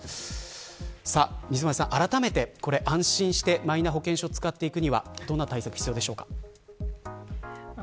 水町さん、あらためて安心してマイナ保険証を使うにはどんな対策が必要でしょうか。